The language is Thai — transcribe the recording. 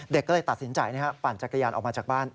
ก็เลยตัดสินใจปั่นจักรยานออกมาจากบ้าน